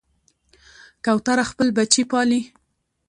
کوتره خپل بچي پالي.